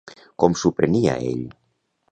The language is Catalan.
Com s'ho prenia ell?